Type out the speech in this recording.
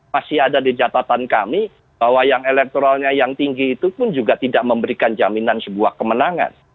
masih ada di catatan kami bahwa yang elektoralnya yang tinggi itu pun juga tidak memberikan jaminan sebuah kemenangan